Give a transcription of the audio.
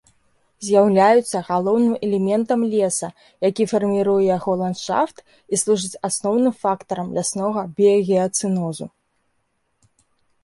З'яўляюцца галоўным элементам леса, які фарміруе яго ландшафт, і служаць асноўным фактарам ляснога біягеацэнозу.